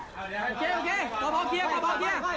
มันจริงตัวตายอย่างไร